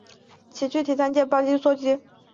具体参见醛基与羧基。